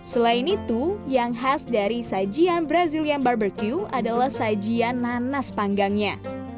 selain itu yang khas dari sajian brazilian barbecue adalah sajian nanas panggangnya